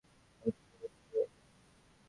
আমি ছুটির ব্যবস্থা করে রেখেছি।